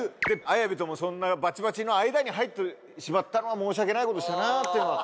綾部ともそんなバチバチの間に入ってしまったのは申し訳ない事したなというのは。